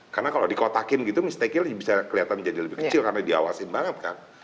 karena kalau di kotakin gitu mistake nya bisa kelihatan menjadi lebih kecil karena diawasin banget kan